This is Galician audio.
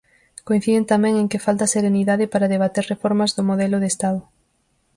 Coinciden tamén en que falta serenidade para debater reformas do modelo de Estado.